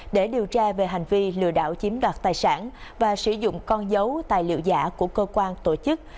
để điều tra về hành vi lừa đảo chiếm đoạt tài sản và sử dụng con dấu tài liệu giả của cơ quan tổ chức